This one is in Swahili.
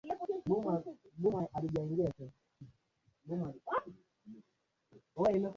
Usultani ulianzishwa wakati Sultani Sayyid Said